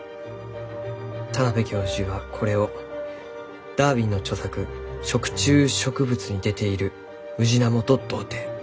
田邊教授がこれを「ダーウィンの著作『食虫植物』に出ているムジナモと同定」。